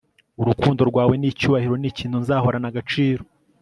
urukundo rwawe n'icyubahiro nikintu nzahorana agaciro